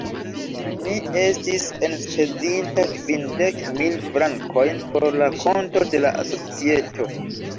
Mi estis enspezinta kvindek mil frankojn por la konto de la societo.